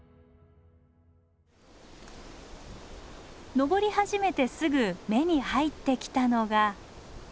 登り始めてすぐ目に入ってきたのが。